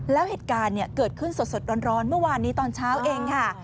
แล้วเหตุการณ์เกิดขึ้นสดร้อนเมื่อวานนี้ตอนเช้าเองค่ะ